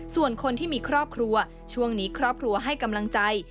ส่วนคนที่มีครอบครัวช่วงนี้ครอบครัวให้กำลังใจ